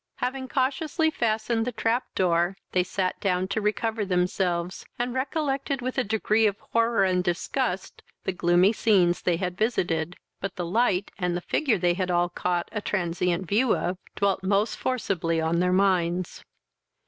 Having cautiously fastened the trap door, they sat down to recover themselves, and recollected with a degree of horror and disgust the gloomy scenes they had visited; but the light, and the figure they had all caught a transient view of, dwelt most forcibly on their minds.